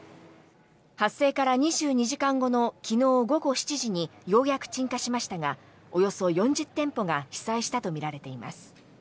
発生から２２時間後の昨日午後７時にようやく鎮火しましたがおよそ４０店舗が被災したとみられています。